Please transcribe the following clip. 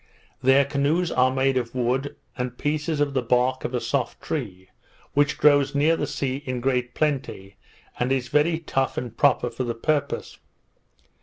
Their canoes are made of wood, and pieces of the bark of a soft tree, which grows near the sea in great plenty, and is very tough and proper for the purpose.